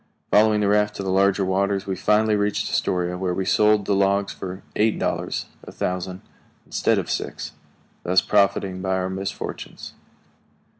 Following the raft to the larger waters, we finally reached Astoria, where we sold the logs for eight dollars a thousand instead of six, thus profiting by our misfortunes.